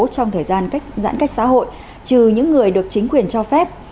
trong thời gian cách giãn cách xã hội trừ những người được chính quyền cho phép